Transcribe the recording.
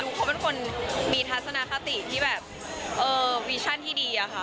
เขาเป็นคนมีทัศนคติที่แบบวีชั่นที่ดีอะค่ะ